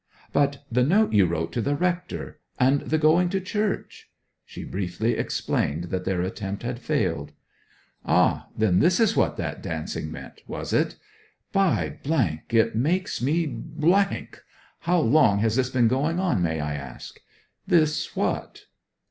'But the note you wrote to the rector and the going to church?' She briefly explained that their attempt had failed. 'Ah! Then this is what that dancing meant, was it? By , it makes me . How long has this been going on, may I ask?' 'This what?'